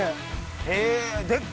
へぇでっか！